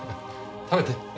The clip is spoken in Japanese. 食べて。